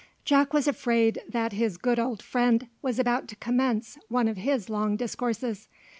Jack was afraid that his good old friend was about to commence one of his long discourses.